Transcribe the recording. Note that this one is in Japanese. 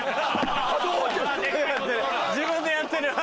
自分でやってるよ。